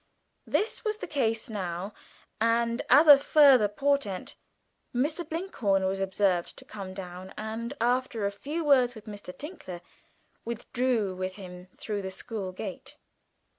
This was the case now and, as a further portent, Mr. Blinkhorn was observed to come down and, after a few words with Mr. Tinkler, withdrew with him through the school gate.